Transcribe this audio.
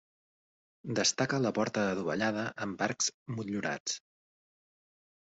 Destaca la porta adovellada amb arcs motllurats.